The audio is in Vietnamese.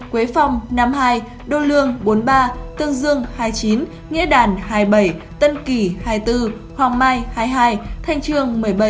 quế phong năm mươi hai đô lương bốn mươi ba tương dương hai mươi chín nghĩa đàn hai mươi bảy tân kỳ hai mươi bốn hoàng mai hai mươi hai thanh trương một mươi bảy